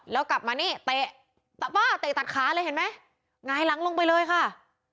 แล้วกลับมานี่เตะตะบ้าเตะตัดขาเลยเห็นไหมหงายหลังลงไปเลยค่ะ